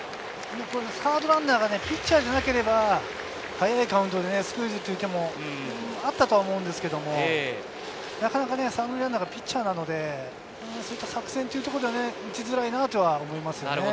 サードランナーがピッチャーじゃなければ早いカウントでスクイズという手もあったと思うんですけど、なかなか３塁ランナーがピッチャーなので作戦というところでは打ちづらいと思います。